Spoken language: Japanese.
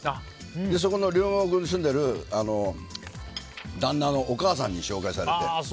その両国に住んでる旦那のお母さんに紹介されて。